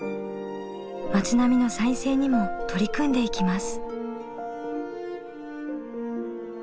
町並みの再生にも取り組んでいきます。